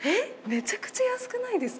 めちゃくちゃ安くないですか？